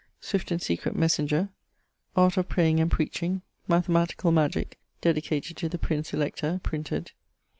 Swift and Secret Messenger. Art of Praying and Preaching. Mathematicall Magique: dedicated to the Prince Elector: printed....